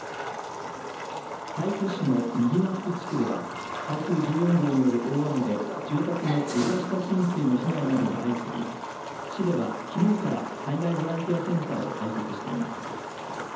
西都市の右松地区では台風１４号による大雨で住宅の床下浸水の被害などが相次ぎ市では、きのうから災害ボランティアセンターを開設しています。